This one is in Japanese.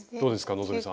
希さん。